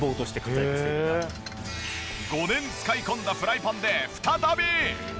５年使い込んだフライパンで再び！